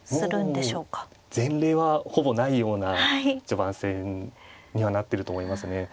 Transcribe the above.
前例はほぼないような序盤戦にはなってると思いますね。